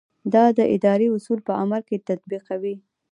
دا د ادارې اصول په عمل کې تطبیقوي.